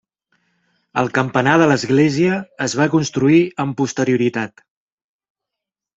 El campanar de l'església es va construir amb posterioritat.